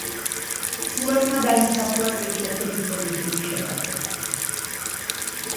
სურათმა დაიმსახურა კრიტიკოსების პოზიტიური შეფასება.